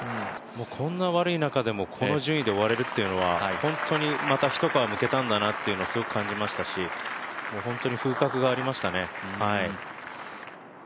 こんな悪い中でもこの順位で追われるというのは本当に、また一皮むけたんだなと感じましたし本当に風格がありましたね。